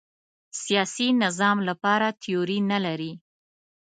سیاسي نظام لپاره تیوري نه لري